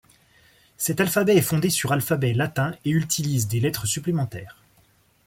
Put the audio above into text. Cet alphabet est fondé sur alphabet latin et utilise des lettres supplémentaires.